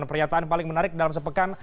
pernyataan paling menarik dalam sepekan